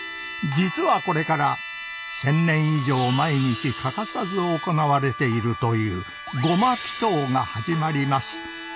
実はこれから１０００年以上毎日欠かさず行われているという護摩祈祷が始まります。